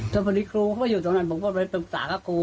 ถ้าพอดีครูเขามาอยู่ตรงนั้นผมก็ไปปรึกษากับครู